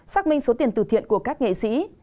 xác minh số tiền tử thiện của các nghệ sĩ